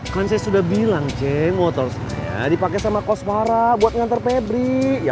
kan saya sudah bilang motor saya dipakai sama koswara buat nganter febri